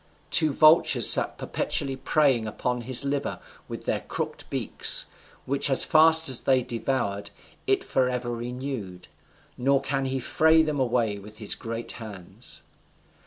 Two vultures sat perpetually preying upon his liver with their crooked beaks; which as fast as they devoured, is forever renewed; nor can he fray them away with his great hands.